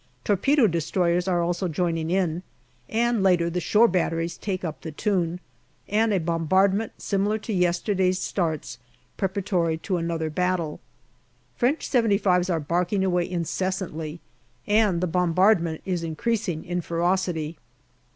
Torpedo destroyers are also joining in, and later the shore batteries take up the tune, and a bombardment similar to yesterday's starts, preparatory to another battle. French " 75's" are barking away incessantly, and the bombardment is increasing in ferocity.